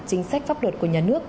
chính sách pháp luật của nhà nước